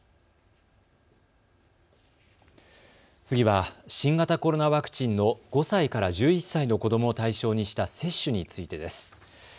次は新型コロナワクチンの５歳から１１歳の子どもを対象にした接種についてです。